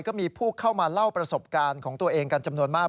ก็มีผู้เข้ามาเล่าประสบการณ์ของตัวเองกันจำนวนมาก